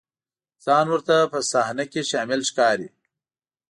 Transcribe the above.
ځان ورته په صحنه کې شامل ښکاري.